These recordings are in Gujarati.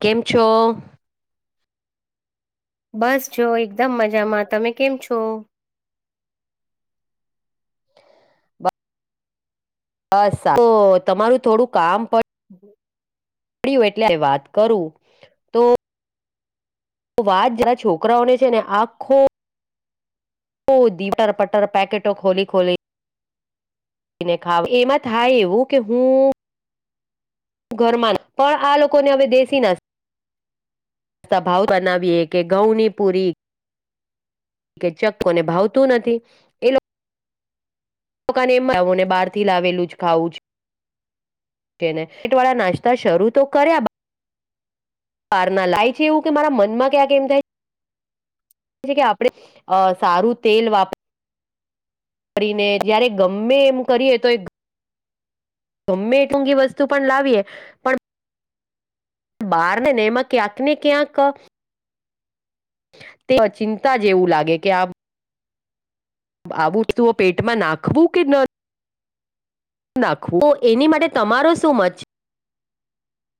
કેમ છો? બસ જો એકદમ મજામાં તમે કેમ છો? બસ. બ તો તમારું થોડું કામ પડ [unintelligible] મળ્યું એટલે વાત કરું તો વાત જરા છોકરાઓને છે ને આખો. ઓ દીપટર પટર પેકેટો ખોલી ખોલી. ને ખાવ એમાં થાય એવું કે હું. ઘરમાં પણ આ લોકોને હવે દેશી નસ. સ્ભાવ બનાવીએ કે ઘઉં ની પૂરી. કે ચક્કોને ભાવતું નથી. એને બહારથી લાવેલું જ ખાવું જ ને પેટ વાળા નાસ્તા શરૂ તો કર્યા. પાર ના લાય છે એવું કે મારા મનમાં ક્યાંક એમ થાય. કે આપણે સારું તેલ વાપર રીને જયારે ગમે એમ કરીએ તો ગમે મુઘી વસ્તુ પણ લાવીએ પણ. બહાર ને હી મામાં ક આકની ક્યા ક. તે ચિંતા જ એવું લાગે કે આ. આવું જ તું પેટમાં નાખવું કે ન. રાખવું તો એની માટે તમારો શું મત છે.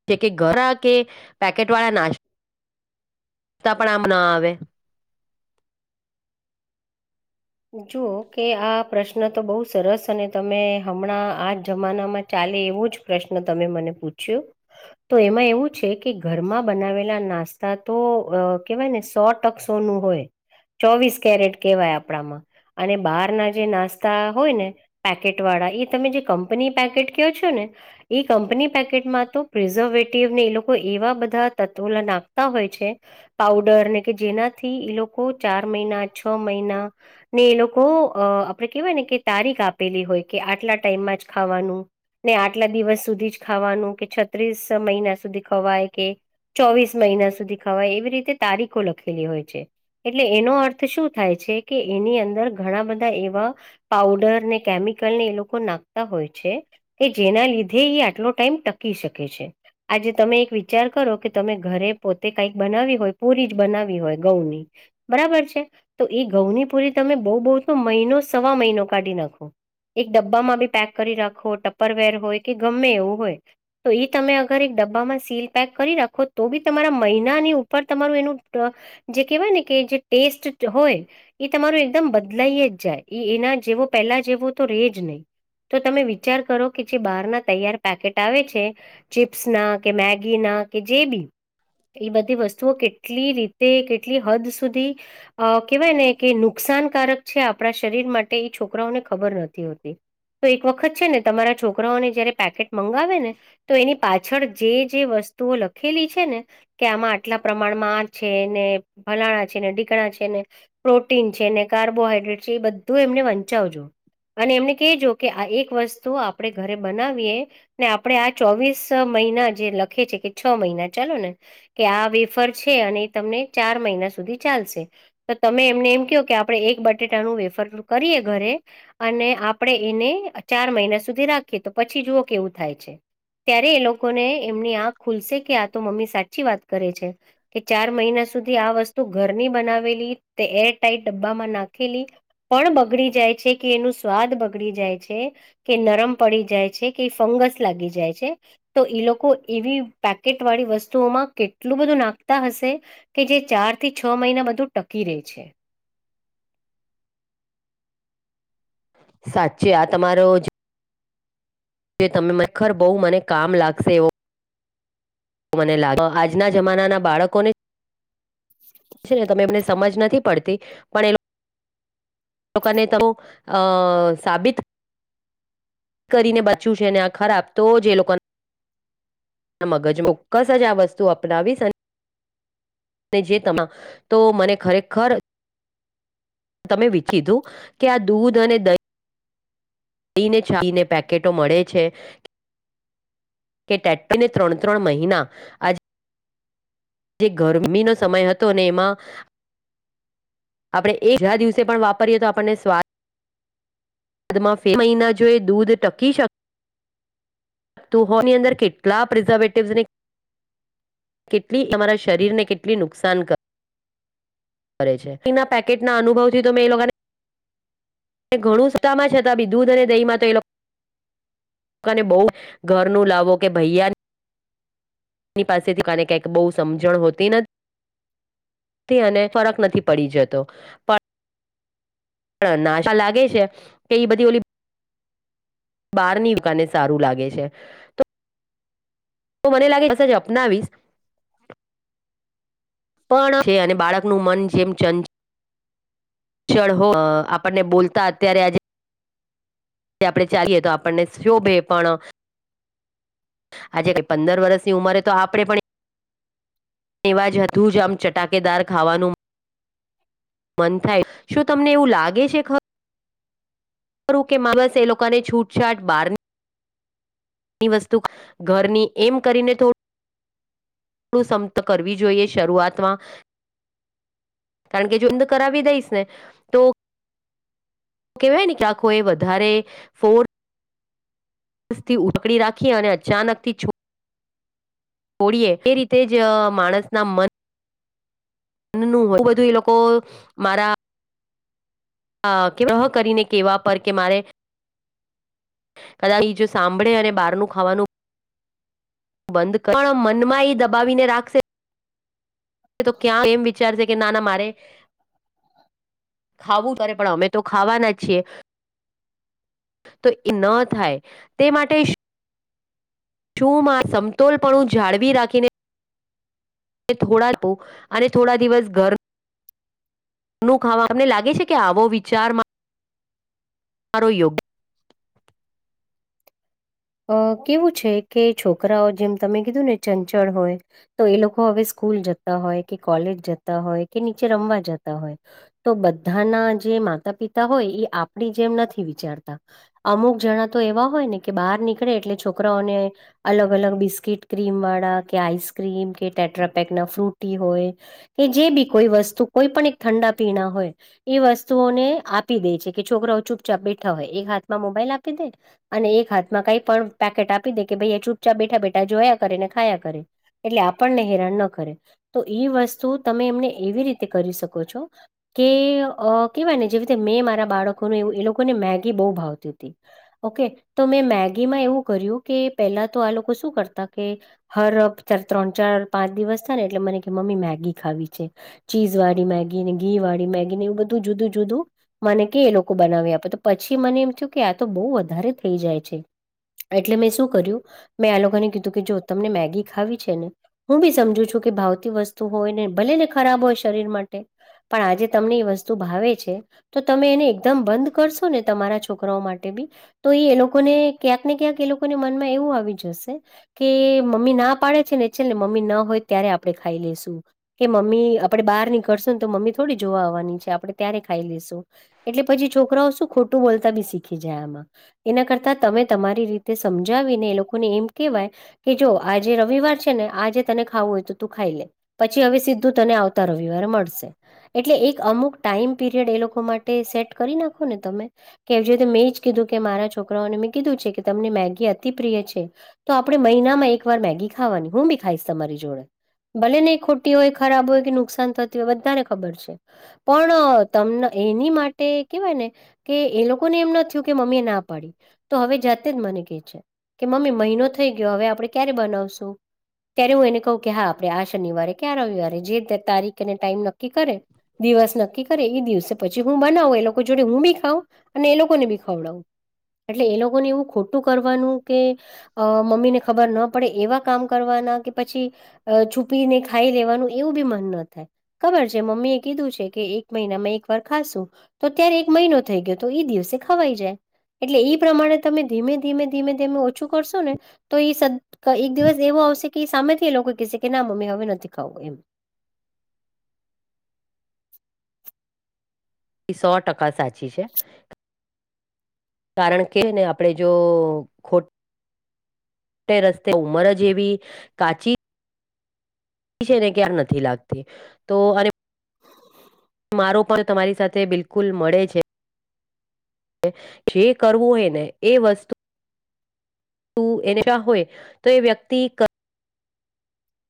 જે કે ઘર કે પેકેટ વાળા નાસ્ તા પણ આમ ના આવે. જુઓ કે આ પ્રશ્ન તો બહુ સરસ અને તમે હમણાં આ જ જમાનામાં ચાલે એવું જ. પ્રશ્ન તમે મને પૂછ્યો. તો એમાં એવું છે કે ઘરમાં બનાવેલા નાસ્તા તો અ કેહેવાય ને સોટ ટક સોનું હોય ચોવીસ કેરેટ કેવાય આપણામાં. અને બહાર ના જે નાસ્તા હોય ને પેકેટ વાળા એ તમે જે કંપની પેકેટ કહો છો ને એ કંપની પેકેટમાં તો પ્રિઝર્વેટિવ ને એ લોકો એવા બધા તત્વો લ નાખતા હોય છે. પાવડર ને કે જેનાથી એ લોકો ચાર મહિના છ મહિના. ને એ લોકો અ આપણેે કેહેવાય ને કે તારીખ આપેલી હોય કે આટલા ટાઈમમાં જ ખાવાનું. ને આટલા દિવસ સુધી જ ખાવાનું કે છત્રીસ મહિના સુધી ખવાય કે. ચોવીસ મહિના સુધી ખવાય એવી રીતે તારીખો લખેલી હોય છે. એટલે એનો અર્થ શું થાય છે કે. એની અંદર ઘણા બધા એવા પઉડર ને કેમિકલ ને એ લોકો નાખતા હોય છે. કે જેના લીધે એ આટલો ટાઈમ ટકી શકે છે. આજે તમે એક વિચાર કરો કે તમે ઘરે પોતે કઈક બનાવી હોય પૂરી જ બનાવીવી હોય ઘઉંની. બરાબર છે તો એ ઘઉંની પૂરી તમે બહુ બહુ તો મહિનો સવા મહિનો કાઢી નાખો. એક ડબ્બામાં બી પેક કરી રાખો ટપર વેર હોય કે ગમે એવું હોય. તો એ તમે અગર એક ડબ્બામાં સીલ પેક કરી રાખો તો બી તમારા મહિનાની ઉપર તમારું એનું. જે કેહેવાય ને કે જે ટેસ્ટ હોય. એ તમારું એકદમ બદલાઈ જ જાય એ એના જેવો પહેલા જેવો તો ર રહે જ નહીં. તો તમે વિચાર કરો કે જે બહાર ના તૈયાર પેકેટ આવે છે. ચિપ્સ ના કે મેગી ના કે જે બી. એ બધી વસ્તુઓ કેટલી રીતે કેટલી હદ સુધી અ કેહેવાય ને. કે નુકસાનકારક છે આપણા શરીર માટે. એ છોકરાઓને ખબર નથી હોતી તો એક વખત છે ને તમારા છોકરાઓને જયારે પેકેટ મંગાવે ને તો એની પાછળ જે જે વસ્તુઓ લખેલી છે ને. કે આમાં આટલા પ્રમાણમાં આ છે ને ભલાણા છે ને ઢીકણા છે ને. પ્રોટીન છે ને કાર્બોહાઈડ્રેટ છે એ બધું એમને વંચાવજો. અને એમને કહેજો કે આ એક વસ્તુ આપણે ઘરે બનાવીએ. ને આપડણે આ ચોવીસ મહિના જે લખે છે કે છ મહિના ચાલો ને. કે આ વેફર છે અને એ તમને ચાર મહિના સુધી ચાલશે. તો તમે એમને એમ કહ કે આપડણે એક બટેટાનું વેફર નુ કરીએ ઘરે. અને આપણેે એને ચાર મહિના સુધી રાખીએ તો પછી જુઓ કેવું થાય છે. ત્યારે એ લોકોને એમની આંખ ખુલસે કે આ તો મમ્મી સાચી વાત કરે છે. કે ચાર મહિના સુધી આ વસ્તુ ઘરની બનાવેલી તે એર ટાઈટ ડબ્બામાં નાખેલી. પણ બગડી જાય છે કે એનું સ્વાદ બગડી જાય છે. કે નરમ પડી જાય છે કે ફંગસ લાગી જાય છે. તો એ લોકો એવી પેકેટ વાળી વસ્તુઓમાં કેટલું બધું નાખતા હશે. કે જે ચાર થી છ મહિના બધું ટકી રહે છે. સાચે આ તમારો જે ત ખરેખર બહુ મને કામ લાગશે એવો. મને લાગે આજના જમાનાના બાળકોને ને છે ન તમે એમને. સમજ નથી પડતી પણ એ લો લોકોને તો અ સાબિત કરીને બચવું છે ને આ ખરાબ તો જે લોકો મગજ ચોક્કસ જ આ વસ્તુ અપનાવીશ અને જે તમા તો મને ખરેખર. તમે વચચીધું કે આ દૂધ અને દહી. ને છીને પેકેટો મળે છે. કે ટેટ પીને ત્રણ ત્રણ મહિના આજે. જે ગરમીનો સમય હતો ને એમાં આપણેે એકધા દિવસે પણ વાપરીએ તો આપણને સ્વાદ. દબામાં મહિના જોઈએ દૂધ ટકી શકે. તુ હોની અંદર કેટલા પ્રિઝર્વેટિવ્સને કેટલી અમારા શરીર ને કેટલી નુકસાન કર કરે છે પેકેટ ના અનુભવ થી તો મે લોકો ને ઘણું સતામાં છતાં બી દૂધ અને દહીમાં તો એ લોકો ને બહુ ઘર નું લાવો કે ભૈયા ની પાસેથી કને કંઈક બહુ સમજણ હોતી નથી. અને ફરક નથી પડી જતો પણ પણ નાશા લાગે છે કે એઈ બધી ઓલી બહારની કને સારું લાગે છે તો મને લાગે સેજ અપનાવીશ. પણ છે અને બાળકનું મન જેમ ચંચ ચણ હો આપણને બોલતા અત્યારે આજે જે આપણે ચાલીએ તો આપણને શોભે પણ. આજે પંદર વર્ષની ઉંમરે તો આપડે પણ. એવા જ હતું જ આમ ચટાકેદાર ખાવાનું. મન થાય શું તમને એવું લાગે છે ખ રૂ કે મામાં બસ એ લોકોને છૂટછાટ બહારની ની વસ્તુ ઘરની એમ કરીને થોડી. થોડું સમત કરવી જોઈએ શરૂઆતમાં કારણ કે જો [unintelligible] ધ કરાવી દઈશ ને તો કેહેવાય ને કે આખો એ વધારે ફોર્ થી ઉપકડી રાખી અને અચાનક થી છો તોડીએ એ રીતે જ માણસ ના મન બ બધું એ લોકો મારા હ કેહ કરીને કેવા પર કે મારે કદાચ ઈ જો સાંભળે અને બહાર નું ખાવાનુ બંધ પણ મનમાં એ દબાવીને રાખશે. તો ક્યાં એમ વિચારશે કે ના ના મારે ખાવું તરે પણ અમે તો ખાવાના જ છીએ. તો એ ન થાય તે માટે. શું મા સમતોલપણું જાળવી રાખીને. થોડા અને થોડા દિવસ ગરમ. નુ ખાવામને લાગે છે કે આવો વિચાર. મારો યોગ્ય અ કેવું છે કે છોકરાઓ જેમ તમે કીધું ને ચંચળ હોય. તો એ લોકો હવે સ્કૂલ જતા હોય કે કોલેજ જતા હોય કે નીચે રમવા જતા હોય. તો બધાના જે માતા પિતા હોય એ આપણી જેમ નથી વિચારતા. અમુક જણા તો એવા હોય ને કે બહાર નીકળે એટલે છોકરાઓને. અલગ અલગ બિસ્કીટ ક્રીમ વાળા કે આઈસક્રીમ કે ટેટ્રાપેક ના ફ્રુટી હોય. કે જે બી કોઈ વસ્તુ કોઈ પણ એક ઠંડા પીણા હોય. એ વસ્તુઓને આપી દે છે કે છોકરાઓ ચુપચાપ બેઠા હોય એક હાથમાં મોબાઈલ આપી દે. અને એક હાથમાં કઈ પણ પેકેટ આપી દે કે ભાઈ ચૂપચાપ બેઠા બેઠા જોયા કરે ને ખાયા કરે. એટલે આપણને હેરાન ન કરે તો ઈ વસ્તુ તમે એમને એવી રીતે કરી શકો છો. કે અ કેહેવાય ને જેવી રીતે મેં મારા બાળકોનું એવું એ લોકોને મેગી બહુ ભાવતી હતી. ઓકે તો મેં મેગીમાં એવું કર્યું કે પેલા તો આ લોકો શું કરતા કે. હર ત્રણ ચાર પાંચ દિવસ થાય ને એટલે મને કે મમ્મી મેગી ખાવી છે. ચીઝ વારી મેગી ને ઘી વાળી મેગી ને એવું બધું જુદું જુદું. મને કે એ લોકો બનાવી આપે તો પછી મને એમ થ કે આ તો બહુ વધારે થઈ જાય છે. એટલે મેં શું કર્યું મેં આ લોકોને કીધું કે જો તમને મેગી ખાવી છે ને. હું બી સમજુ છું કે ભાવતી વસ્તુ હોય ને ભલે ને ખરાબ હોય શરીર માટે. પણ આજે તમને એ વસ્તુ ભાવે છે. તો તમે એને એકદમ બંધ કરશો ને તમારા છોકરાઓ માટે બી તો એ એ લોકોને. ક્યાંક ને ક્યાંક એ લોકોને મનમાં એવું આવી જશે. કે મમ્મી ના પાડે છે ને છે ને મમ્મી ના હોય ત્યારે આપણે ખાઈ લેશું. કે મમ્મી આપડે બહાર નીકળશું ને તો મમ્મી થોડી જોવા આવવાની છે આપડણે ત્યારે ખાઈ લેશું. એટલે પછી છોકરાઓ શું ખોટું બોલતા બી શીખી જાય આમાં એના કરતા તમે. તમારી રીતે સમજાવીને એ લોકોને એમ કહેવાય. કે જો આજે રવિવાર છે ને આજે તને ખાવું હોય તો તું ખાઈ લે. પછી હવે સીધું તને આવતા રવિવારે મળશે. એટલે એક અમુક ટાઈમ પીરિયડ એ લોકો માટે સેટ કરી નાખો ને તમે. કે જો મેં જ કીધું કે મારા છોકરાઓને મેં કીધું છે કે તમને મેગી અતિ પ્રિય છે. તો આપણે મહિનામાં એક વાર મેગી ખાવાની હું બી ખાઈશ તમારી જોડે. ભલે નને ખોટી હોય ખરાબ હોય કે નુકસાન થતી હોય બધાને ખબર છે. પણ તમને એની માટે કેવાય ને. કે એ લોકોને એમ નથીયું કે મમ્મી એ ના પાડી. તો હવે જાતે જ મને કહે છે કે મમ્મી મહિનો થઈ ગયો હવે આપણે ક્યારે બનાવશું. ત્યારે હું એને કહું કે હા આપડે આ શનિવારે કે આ રવિવારે જે તારીખને ટાઈમ નક્કી કરે. દિવસ નક્કી કરે એ દિવસે પછી હું બનાવું એ લોકો જોડે હું બી ખઉં અને એ લોકોને બી ખવડાવું. એટલે એ લોકોને એવું ખોટું કરવાનું કે. અ મમ્મીને ખબર ન પડે એવા કામ કરવાના કે પછી. અ છુપીને ખાઈ લેવાનું એવું બી મન ન થાય. ખબર છે મમ્મી એ કીધું છે કે એક મહિના મેં એક વાર ખાશું. તો અત્યારે એક મહિનો થઈ ગયો તો એઈ દિવસે ખવાઈ જાય. એટલે એ પ્રમાણે તમે ધીમે ધીમે ધીમે ધીમે ઓછું કરશો ને. તો એ એક દિવસ એવો આવશે કે સામેથી એ લોકો કહે કે ના મમ્મી હવે નથી ખાવું એમ. એ સો ટકા સાચી છે. કારણ કે ને આપણેે જો ખોટ રસ્તે ઉમર જેવી કાચી કાચી છે ને કં નથી લાગતી તો અને. આરો પણ તમારી સાથે બિલકુલ મળે છે. જે કરવું હોય ને એ વસ્તુ. તુ એને શા હોય તો એ વ્યક્તિ કર.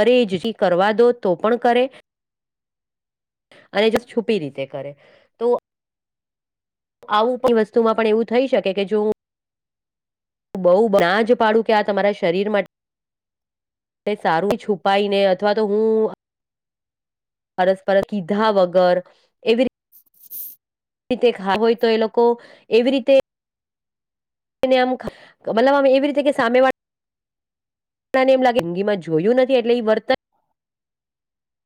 અરે જી કરવા દો તો પણ કરે. અને જો છુપી રીતે કરે તો. આવું વસ્તુમાં પણ એવું થઈ શકે કે જો. બહુ જ ના પાડું કે આ તમારા શરીર માટે. તે સારું છુપાઈ ને અથવા તો હું. પરસપસ સીધા વગર એવી. રીતે ખા હોય તો એ લોકો એવી રીતે. એને આમ મતલબ આમ એવી રીતે કે સામે વાળા. ને એમ લાગે એમા જોયું નથી એટલે એ વર્તન.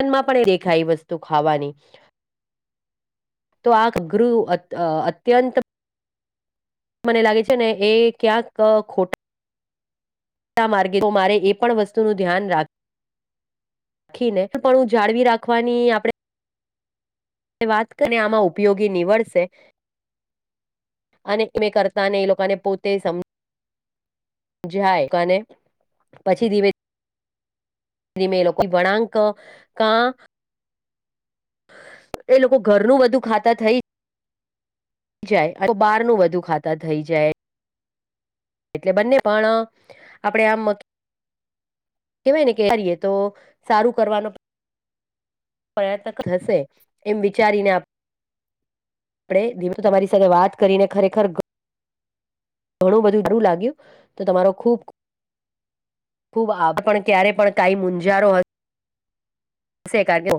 નમાં પણ એ દેખાય એ વસ્તુ ખાવાની. તો આ ગૃ અત અત્યંત. મને લાગે છે ને એ ક્યાંક ખોટો. ના માર્ગે તો મારે એ પણ વસ્તુ નું ધ્યાન રાખ. રાખીને પણ હું જાળવી રાખવાની આપણે. તે વાત કરીને આમાં ઉપયોગી નીવડશે. અને એમે કરતા ને એ લોકોને પોતે સમ. જાય કને પછી ધીવેથી. મે લોકો વણંક કા. એ લોકો ઘરનું બધું ખાતા થઈ. જાય બાર નું વધુ ખાતા થઈ જાય. એટલે બંને પણ આપડે આમ. કેવાય ને કે કરીએ તો સારું કરવાનું. પ્રયત્ન થશે એમ વિચારીને આપ. આપડે હું તમારી સાથે વાત કરીને ખરેખર. ઘણું બધું હું લાગ્યું તો તમારો ખુબ. ખુબ આ પણ ક્યારે પણ કઈ મુંંજારો. સેકાધ્યો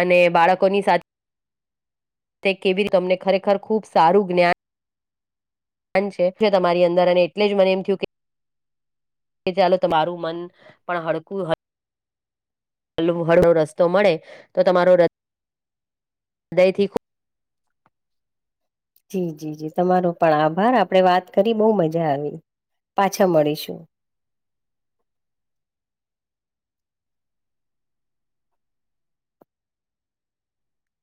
અને બાળકોની સાથે. તે કેવી રીતે તમને ખરેખર ખૂબ સારું જ્ઞાન. પન છે તમારી અંદર અને એટલે જ મને એમ થયું કે. કે ચાલો તમારું મન પણ હડકું. હલો હળો રસ્તો મળે તો તમારો હૃદય હ્રદયથી. જી જી જી તમારો પણ આભાર આપડે વાત કરી બહુ મજા આવી પાછા મળીશું.